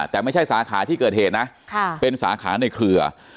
แต่ไม่ใช่สาขาที่เกิดเหตุนะเป็นสาขาในเครือ